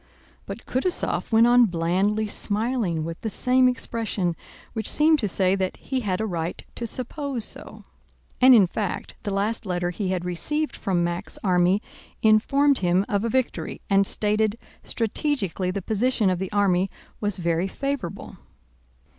But Kutúzov went on blandly smiling with the same expression, which seemed to say that he had a right to suppose so. And, in fact, the last letter he had received from Mack's army informed him of a victory and stated strategically the position of the army was very favorable.